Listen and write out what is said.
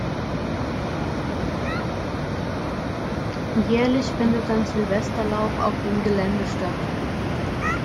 Jährlich findet ein Silvesterlauf auf dem Gelände statt.